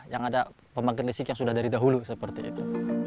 yang ada pembangkit listrik yang sudah dari dahulu seperti itu